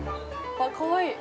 あ、かわいい。